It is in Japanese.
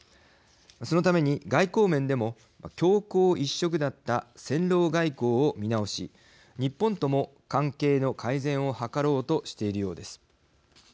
そのために、外交面でも強硬一色だった戦狼外交を見直し日本とも関係の改善を図ろうとしているようです。